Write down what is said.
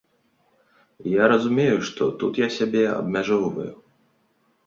І я разумею, што тут я сябе абмяжоўваю.